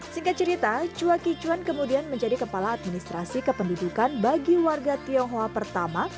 singkat cerita chua kichuan kemudian menjadi kepala administrasi kependudukan bagi warga tionghoa pertama